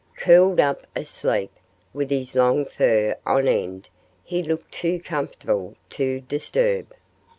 Curled up asleep, with his long fur on end, he looked too comfortable to disturb.